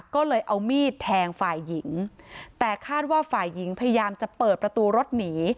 ก็เลยเอามีดแทงฝ่ายหญิงแต่คาดว่าฝ่ายหญิงพยายามจะเปิดประตูรถหนี